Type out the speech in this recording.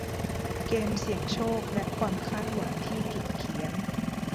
เกมเสี่ยงโชคและความคาดหวังที่ผิดเพี้ยน